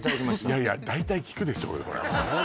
いやいや大体聞くでしょうよほら